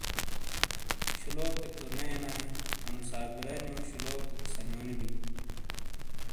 شلوکے تو نے اینائے انو صابرانیو شلوک سنیونو بئی۔